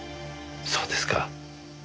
そうですか。